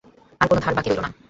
আর কোনো ধার-বাকি রইলো না।